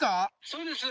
☎そうです